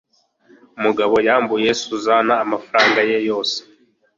umugabo yambuye susan amafaranga ye yose